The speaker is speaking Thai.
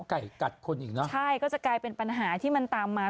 ไก่กัดคนอีกเนอะใช่ก็จะกลายเป็นปัญหาที่มันตามมา